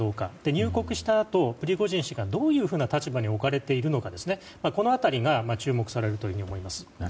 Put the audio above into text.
入国したあとプリゴジン氏がどのような立場に置かれているのかこの辺りが注目されると思います。